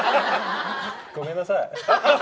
ごめんなさい。